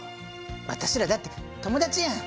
私らだって友達やん！